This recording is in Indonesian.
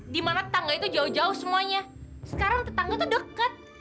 dimana tetangga itu jauh jauh semuanya sekarang tetangga tuh deket